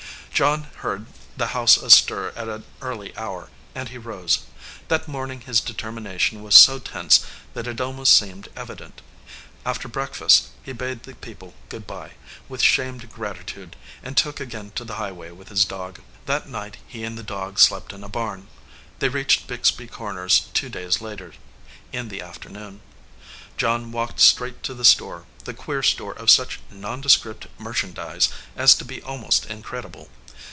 John heard the house astir at an early hour, and he rose. That morning his determination was so tense that it almost seemed evident. After break fast he bade the people good by, with shamed grat itude, and took again to the highway with his dog. That night he and the dog slept in a barn. They reached Bixby Corners two days later, in the af ternoon. John walked straight to the store, the queer store of such nondescript merchandise as to be almost incredible.